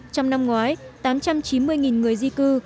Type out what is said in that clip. trong năm ngoái tám trăm chín mươi người di cư